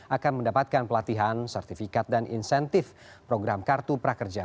akan mendapatkan pelatihan sertifikat dan insentif program kartu prakerja